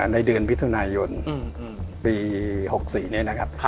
ในเดือนมิถุนายนปี๖๔นี้นะครับ